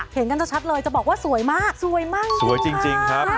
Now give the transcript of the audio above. เห็นกันชัดเลยจะบอกว่าสวยมากสวยมากสวยจริงครับ